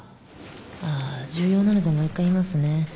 ああ重要なのでもう一回言いますね。